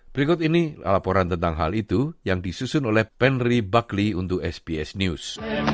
berikut ini laporan tentang hal itu yang disusun oleh penry buckley untuk sbs news